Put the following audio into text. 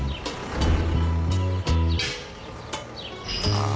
ああ。